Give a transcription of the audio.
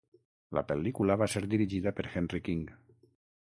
La pel·lícula va ser dirigida per Henry King.